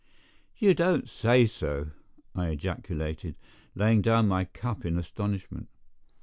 "You don't say so?" I ejaculated, laying down my cup in astonishment.